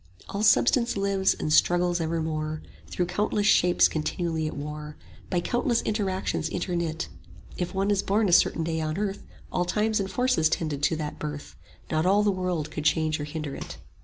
All substance lives and struggles evermore Through countless shapes continually at war, By countless interactions interknit: If one is born a certain day on earth, 70 All times and forces tended to that birth, Not all the world could change or hinder it.